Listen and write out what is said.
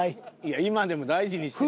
今でも大事にしてる。